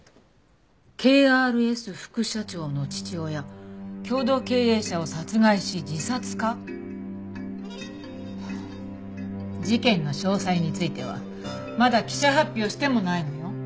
「ＫＲＳ副社長の父親共同経営者を殺害し自殺か？」事件の詳細についてはまだ記者発表してもないのよ。